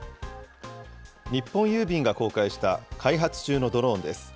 日本郵便が公開した開発中のドローンです。